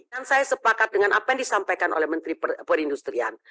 dan saya sepakat dengan apa yang disampaikan oleh menteri perindustrian